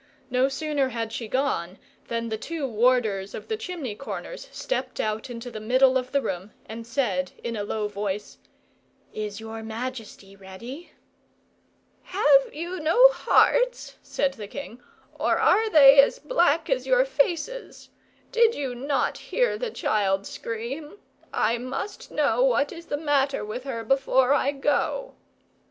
No sooner had she gone than the two warders of the chimney corners stepped out into the middle of the room, and said, in a low voice, "Is your majesty ready?" "Have you no hearts?" said the king; "or are they as black as your faces? Did you not hear the child scream? I must know what is the matter with her before I go."